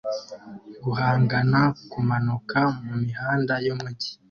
Guhangana kumanuka mumihanda yumujyi